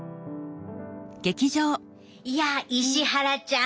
いや石原ちゃん